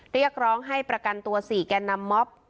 เรียกร้องให้ประกันตัว๔แก่นำม็อบ